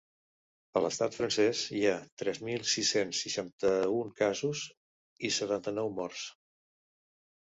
A l’estat francès hi ha tres mil sis-cents seixanta-un casos i setanta-nou morts.